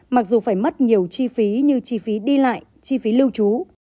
mặc dù phải mất nhiều chi phí như chi phí đi lại chi phí lưu trú